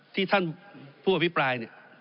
ที่ท่านผู้อภิปราย